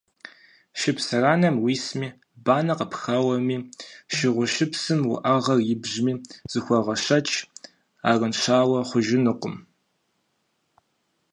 Шыпсыранэм уисми, банэ къыпхэуэми, шыгъушыпсыр уӏэгъэм ибжьэми, зыхуэгъэшэч, арыншауэ ухъужынукъым.